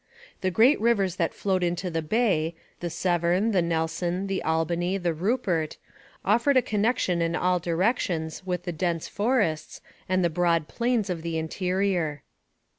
The great rivers that flowed into the bay the Severn, the Nelson, the Albany, the Rupert offered a connection in all directions with the dense forests and the broad plains of the interior.